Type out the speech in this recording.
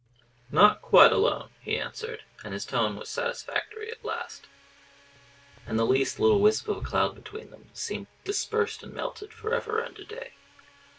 "Not quite alone," he answered. And his tone was satisfactory at last. And the least little wisp of a cloud between them seemed dispersed and melted for ever and a day.